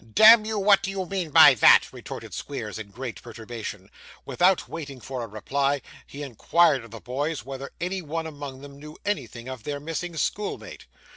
'Damn you, what do you mean by that?' retorted Squeers in great perturbation. Without waiting for a reply, he inquired of the boys whether any one among them knew anything of their missing schoolmate.